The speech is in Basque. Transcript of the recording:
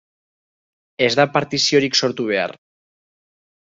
Ez da partiziorik sortu behar.